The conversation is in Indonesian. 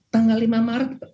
tanggal lima maret